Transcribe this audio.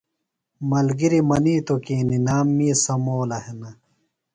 ملگِری منِیتوۡ کی نِنام می سمولہ ہِنہ۔